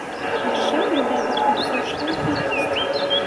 Яшчэ дадатак адсочвае хуткасць.